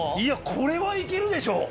これは行けるでしょ。